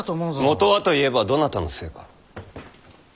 元はと言えばどなたのせいか。